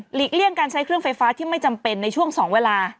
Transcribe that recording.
เลี่ยงการใช้เครื่องไฟฟ้าที่ไม่จำเป็นในช่วง๒เวลา